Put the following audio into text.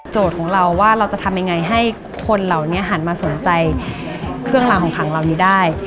ของเราว่าเราจะทำยังไงให้คนเหล่านี้หันมาสนใจเครื่องรางของขังเหล่านี้ได้